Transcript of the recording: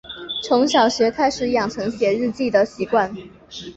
从小学开始养成写日记的习惯